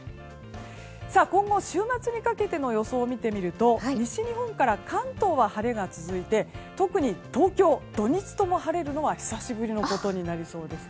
今後、週末にかけての予想を見てみると西日本から関東は晴れが続いて特に東京土日とも晴れるのは久しぶりのことになりそうです。